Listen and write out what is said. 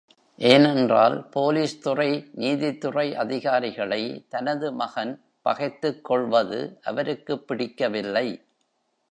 ஏனென்றால், போலீஸ்துறை, நீதித்துறை அதிகாரிகளை தனது மகன் பகைத்துக் கொள்வது அவருக்குப் பிடிக்கவில்லை.